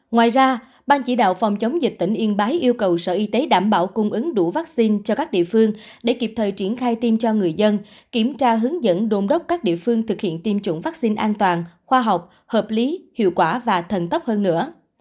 ngoài ra ban chỉ đạo phòng chống dịch tỉnh yên bái yêu cầu sở y tế đảm bảo cung ứng đủ vaccine cho các địa phương để kịp thời triển khai tiêm cho người dân kiểm tra hướng dẫn đồn đốc các địa phương thực hiện tiêm chủng vaccine an toàn khoa học hợp lý hiệu quả và thần tốc hơn nữa